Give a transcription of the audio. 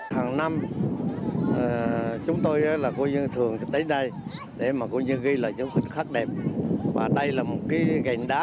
hằng năm chúng tôi thường sẽ đến đây để ghi là chống khích khắc đẹp và đây là một ghiền đá